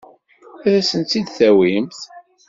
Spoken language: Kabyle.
Ad asent-t-id-tawimt?